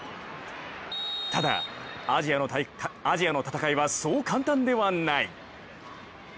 ただ、アジアの戦いはそう簡単ではない。